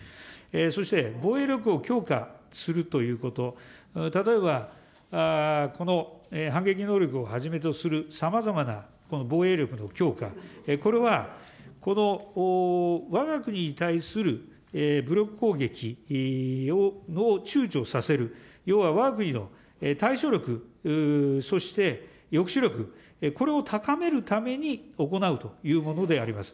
そして防衛力を強化するということ、例えばこの反撃能力をはじめとするさまざまなこの防衛力の強化、これはわが国に対する武力攻撃をちゅうちょさせる、要はわが国の対処力、そして抑止力、これを高めるために行うというものであります。